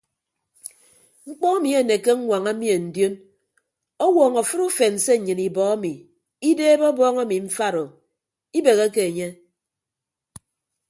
Mkpọ emi anekke aññwaña mien ndion ọwọọñọ afịt ufen se nnyịn ibọ emi ideebe ọbọọñ emi mfat o ibegheke enye.